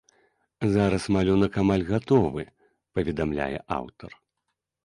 Зараз малюнак амаль гатовы, паведамляе аўтар.